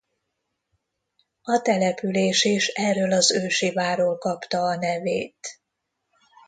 A település is erről az ősi várról kapta a nevét.